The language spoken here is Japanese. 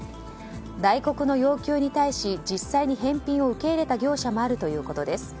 ダイコクの要求に対し実際に返品を受け入れた業者もあるということです。